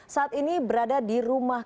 saat ini berada di rumah